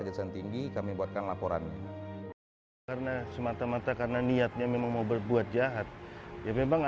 jauh kan secici ke arah lampung